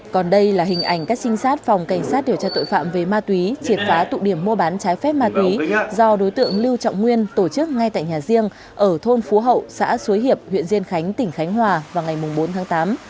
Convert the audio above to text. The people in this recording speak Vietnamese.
còn đây là hình ảnh các trinh sát phòng cảnh sát điều tra tội phạm về ma túy triệt phá tụ điểm mua bán trái phép ma túy do đối tượng lưu trọng nguyên tổ chức ngay tại nhà riêng ở thôn phú hậu xã suối hiệp huyện diên khánh tỉnh khánh hòa vào ngày bốn tháng tám